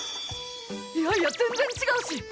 いやいや全然違うし。